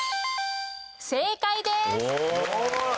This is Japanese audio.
正解です！